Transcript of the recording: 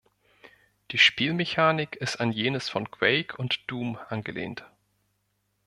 Die Spielmechanik ist an jenes von Quake und Doom angelehnt.